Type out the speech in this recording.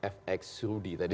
fx rudy tadi